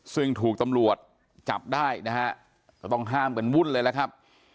ซึ่งถูกตำรวจจับได้นะฮะก็ต้องห้ามกันวุ่นเลยล่ะครับ